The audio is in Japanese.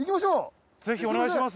ぜひお願いします。